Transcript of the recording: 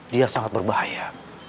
dia sangat berbahaya